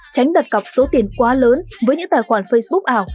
tránh đặt cọc số tiền quá lớn với những tài khoản facebook ảo